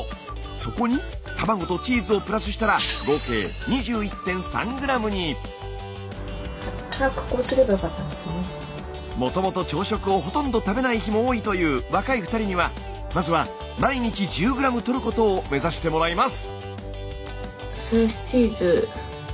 そこに卵とチーズをプラスしたら合計もともと朝食をほとんど食べない日も多いという若い２人にはまずは毎日１０ｇとることを目指してもらいます！